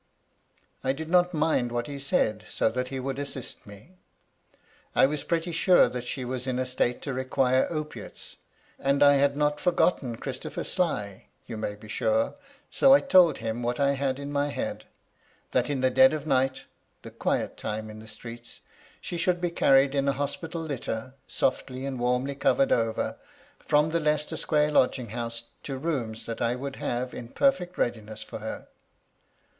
^^I did not mind what he said, so that he would assist me. I was pretty sure that she was in a state to require opiates ; and I had not forgotten Oiristopher 108 MY LADY LUDLOW. Sly, you may be sure, so I told him what I had in my head. That in the dead of night, — the quiet time in the streets, — ^she should be carried in a hospital litter, softly and wannly covered over, from the Leicester Square lodging house to rooms that I would have in perfect readiness for her.